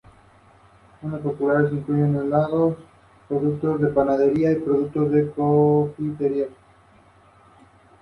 Los primeros mártires luteranos vinieron de Amberes.